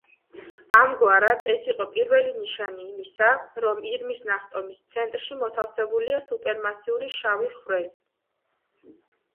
ამგვარად, ეს იყო პირველი ნიშანი იმისა, რომ ირმის ნახტომის ცენტრში მოთავსებულია სუპერმასიური შავი ხვრელი.